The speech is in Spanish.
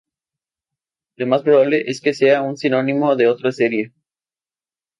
Lo más probable es que sea un sinónimo de otra especie.